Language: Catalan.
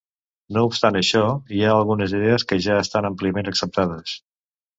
No obstant això, hi ha algunes idees que ja estan àmpliament acceptades.